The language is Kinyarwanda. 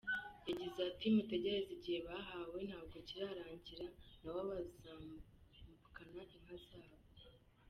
Yagize ati “Mutegereze igihe bahawe ntabwo kirarangira, na bo bazambukana inka zabo.